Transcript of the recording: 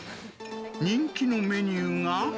人気のメニューが。